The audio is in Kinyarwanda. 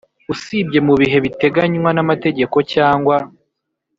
Usibye mu bihe biteganywa n amategeko cyangwa